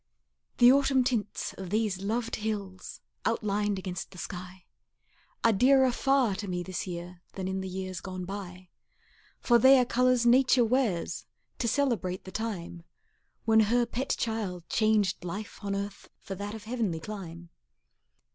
The autumn tints of these loved hills Outlined against the sky, Are dearer far to me this year Than in the years gone by; For they are colors Nature wears To celebrate the time When her pet child changed life on earth For that of heavenly clime.